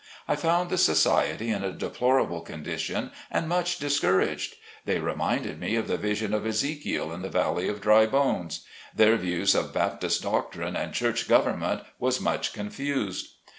I found the society in a deplorable condition and much discouraged. They reminded me of the vision of Ezekiel in the valley of dry bones. Their views of Baptist doctrine and church government was much confused.